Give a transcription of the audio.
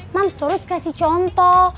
mams terus kasih contoh